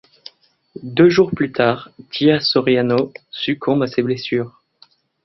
Deux jours plus tard, Gia Soriano succombe à ses blessures.